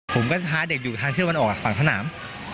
ผมก็พาเด็กอยู่ทางเที่ยววันออกฝั่งสนาม